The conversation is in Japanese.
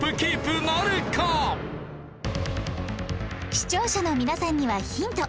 視聴者の皆さんにはヒント